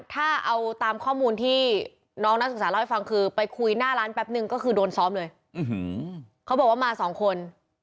ภังคือไปคุยหน้าตัวก็คือโดนซ้อมเลยเขาบอกว่ามา๒คน